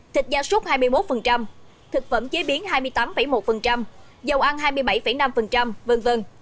thịt da súc hai mươi một thực phẩm chế biến hai mươi tám một dầu ăn hai mươi bảy năm v v